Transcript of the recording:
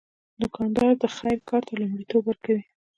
دوکاندار د خیر کار ته لومړیتوب ورکوي.